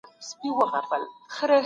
تاسو مه هېروئ چې زده کړه یو عبادت دی.